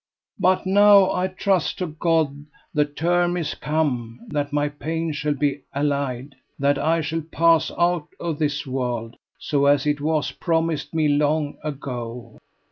But now I trust to God the term is come that my pain shall be allayed, that I shall pass out of this world so as it was promised me long ago.